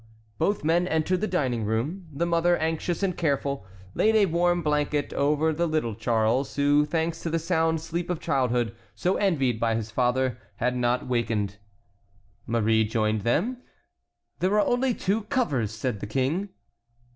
Both men entered the dining room. The mother, anxious and careful, laid a warm blanket over the little Charles, who, thanks to the sound sleep of childhood, so envied by his father, had not wakened. Marie rejoined them. "There are only two covers!" said the King.